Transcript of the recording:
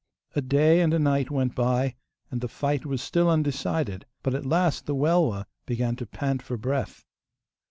A day and a night went by, and the fight was still undecided, but at last the Welwa began to pant for breath.